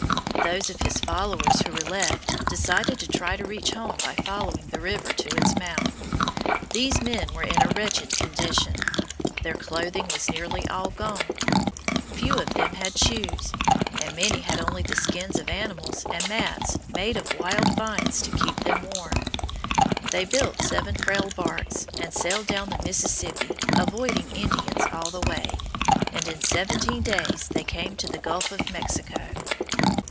Those of his followers who were left decided to try to reach home by following the river to its mouth. These men were in a wretched condition. Their clothing was nearly all gone. Few of them had shoes, and many had only the skins of animals and mats made of wild vines to keep them warm. They built seven frail barks and sailed down the Mississippi, avoiding Indians all the way, and in seventeen days they came to the Gulf of Mexico.